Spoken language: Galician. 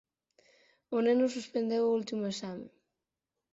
O neno suspendeu o último exame.